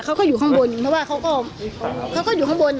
เขาก็อยู่ข้างบนเพราะว่าเขาก็อยู่ข้างบน